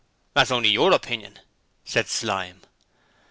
'That's only YOUR opinion,' said Slyme.